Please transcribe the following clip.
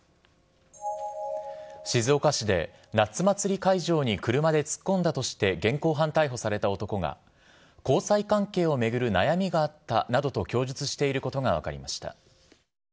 静岡市で夏祭り会場に車で突っ込んだとして、現行犯逮捕された男が、交際関係を巡る悩みがあったなどと供述していることが分かりました。